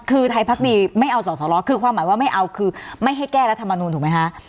คือไทยพักดีไม่เอาสอสอรอคือความหมายว่าไม่เอาคือไม่ให้แก้รัฐมนูลถูกไหมคะ